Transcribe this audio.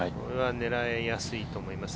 狙いやすいと思います。